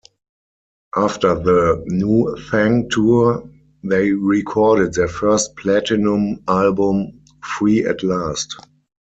After the Nu Thang tour, they recorded their first platinum album, "Free at Last".